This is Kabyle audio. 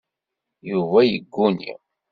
Yuba yegguni.